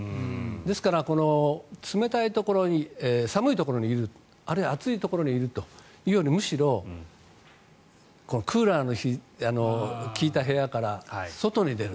ですから、寒いところにいるあるいは暑いところにいるよりむしろクーラーの利いた部屋から外に出る。